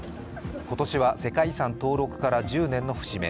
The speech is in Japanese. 今年は世界遺産登録から１０年の節目。